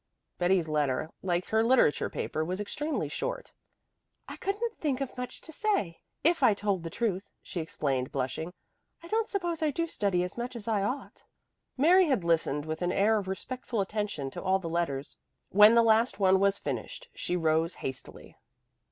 Betty's letter, like her literature paper, was extremely short. "I couldn't think of much to say, if I told the truth," she explained, blushing. "I don't suppose I do study as much as I ought." Mary had listened with an air of respectful attention to all the letters. When the last one was finished she rose hastily.